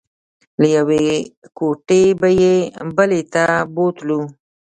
له یوې کوټې به یې بلې ته بوتلو.